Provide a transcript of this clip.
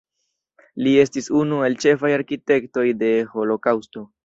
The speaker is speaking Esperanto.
Li estis unu el ĉefaj arkitektoj de holokaŭsto.